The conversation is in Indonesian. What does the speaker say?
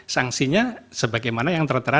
sanksinya sebagaimana yang tertera